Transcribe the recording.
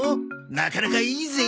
なかなかいいぜ？